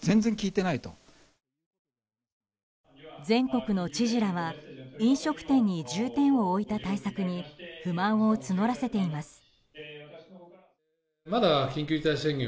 全国の知事らは飲食店に重点を置いた対策に不満を募らせています。